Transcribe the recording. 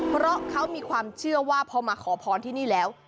เพราะเขามีความเชื่อว่าพอมาขอพรที่นี่แล้ว